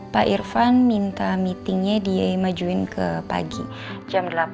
pak irfan minta meetingnya dimajuin ke pagi jam delapan